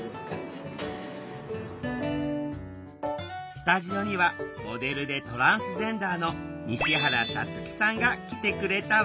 スタジオにはモデルでトランスジェンダーの西原さつきさんが来てくれたわ。